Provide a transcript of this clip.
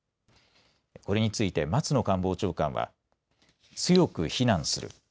これについて松野官房長官は強く非難する。